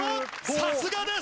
さすがです！